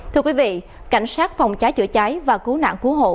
thưa quý vị cảnh sát phòng trái chữa trái và cứu nạn cứu hộ